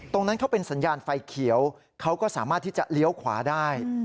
ตรงนั้นเขาเป็นสัญญาณไฟเขียวเขาก็สามารถที่จะเลี้ยวขวาได้